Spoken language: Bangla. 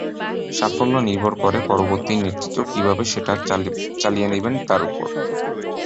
সাফল্য নির্ভর করে পরবর্তী নেতৃত্ব কীভাবে সেটা চালিয়ে নেবেন, তার ওপর।